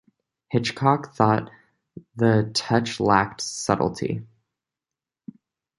Hitchcock thought the touch lacked subtlety.